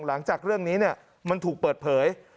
หลังจากเรื่องนี้มันถูกเปิดเผย